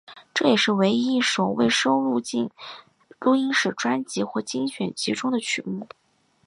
这也是唯一一首未收录进录音室专辑或精选集中的曲目。